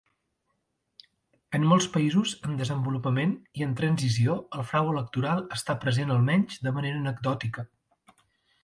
En molts països en desenvolupament i en transició, el frau electoral està present almenys de manera anecdòtica.